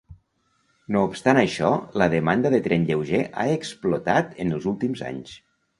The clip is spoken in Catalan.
No obstant això, la demanda de tren lleuger ha explotat en els últims anys.